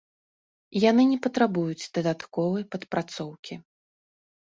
Яны не патрабуюць дадатковай падпрацоўкі.